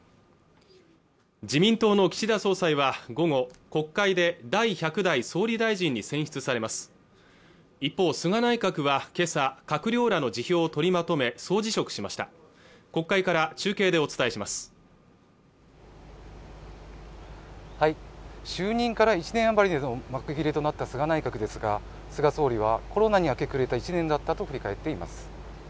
自民党の岸田総裁は午後国会で第１００代総理大臣に選出されます一方、菅内閣はけさ閣僚らの辞表を取りまとめ総辞職しました国会から中継でお伝えします就任から１年余りでの幕切れとなった菅内閣ですが菅総理はコロナに明け暮れた１年だったと振り返っています